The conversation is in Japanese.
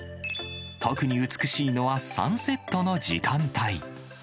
特に美しいのはサンセットの時間帯。